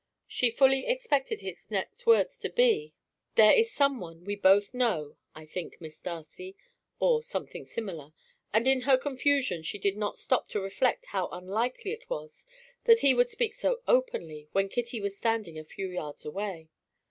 She fully expected his next words to be: "There is someone we both know, I think, Miss Darcy," or something similar, and in her confusion, she did not stop to reflect how unlikely it was that he would speak so openly when Kitty was standing a few yards away.